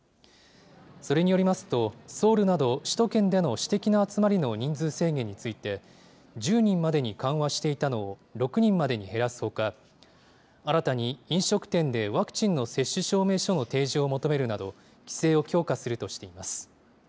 それによりますと、ソウルなど首都圏での私的な集まりの人数制限について、１０人までに緩和していたのを６人までに減らすほか、新たに飲食店でワクチンの接種証明書の提示を求めるなど、規制を強化するとしています。